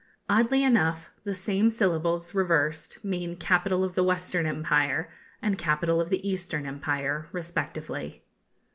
Oddly enough, the same syllables, reversed, mean capital of the Western Empire and capital of the Eastern Empire respectively.